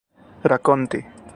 rakonti